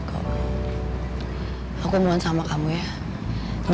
masa gua bilang radio tak dikurangin ku